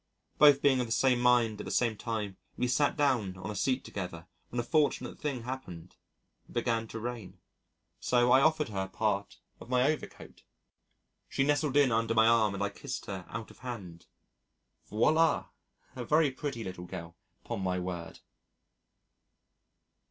Both being of the same mind at the same time we sat down on a seat together when a fortunate thing happened. It began to rain. So I offered her part of my overcoat. She nestled in under my arm and I kissed her out of hand. Voilà! A very pretty little girl, 'pon my word.